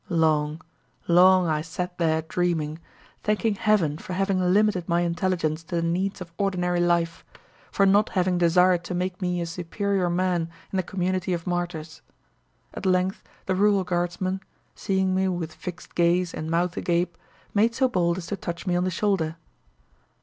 Long, long I sat there dreaming, thanking Heaven for having limited my intelligence to the needs of ordinary life for not having desired to make me a superior man in the community of martyrs. At length the rural guardsman, seeing me with fixed gaze and mouth agape, made so bold as to touch me on the shoulder.